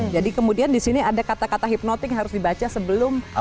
jadi kemudian di sini ada kata kata hipnotik yang harus dibaca sebelum makan